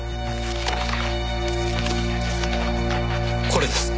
これです！